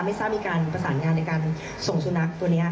ไม่ทราบมีการประสานงานในการส่งสุนัขตัวนี้